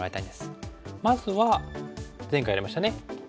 まずは前回やりましたね。